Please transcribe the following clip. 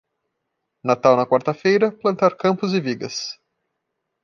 Natal na quarta-feira, plantar campos e vigas.